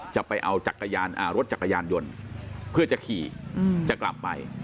จะเอารถจักรยานยนต์เพื่อจะขี่จะกลับไป